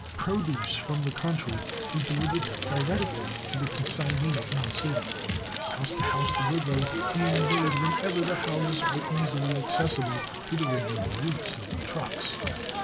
Produce from the country is delivered directly to the consignee in the city, house to house delivery being made wherever the houses are easily accessible to the regular routes of the trucks.